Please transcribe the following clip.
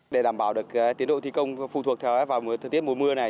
để đảm bảo được tiến độ thi công phụ thuộc vào thời tiết mùa mưa này